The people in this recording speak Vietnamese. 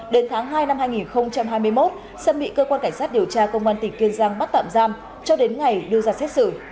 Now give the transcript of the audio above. đến tháng hai năm hai nghìn hai mươi một sâm bị cơ quan cảnh sát điều tra công an tỉnh kiên giang bắt tạm giam cho đến ngày đưa ra xét xử